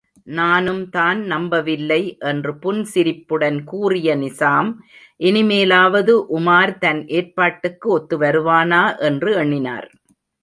நானும்தான் நம்பவில்லை என்று புன்சிரிப்புடன் கூறிய நிசாம் இனிமேலாவது உமார் தன் ஏற்பாட்டுக்கு ஒத்து வருவானா என்று எண்ணினார்.